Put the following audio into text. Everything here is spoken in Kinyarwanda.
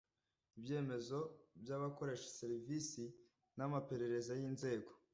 ibyemezo by’abakoresha serivisi n’amaperereza y’inzego